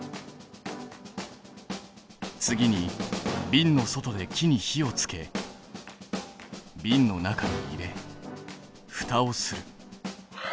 次にびんの外で木に火をつけびんの中に入れふたをする。